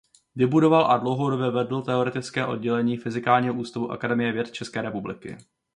Vybudoval a dlouhodobě vedl Teoretické oddělení Fyzikálního ústavu Akademie věd České republiky.